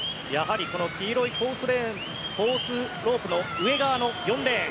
黄色いコースロープの上側の４レーン